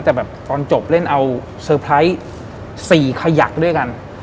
แต่แบบตอนจบเล่นเอาเซอร์ไพรส์๔ขยักด้วยกัน